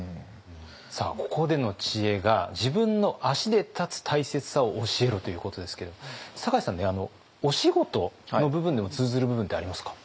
ここでの知恵が「自分の足で立つ大切さを教えろ」ということですけども酒井さんお仕事の部分でも通ずる部分ってありますか？